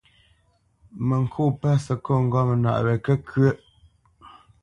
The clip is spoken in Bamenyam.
Mə ŋkô pə̂ səkôt ŋgɔ̂mnaʼ wɛ kə́kʉə́ʼ.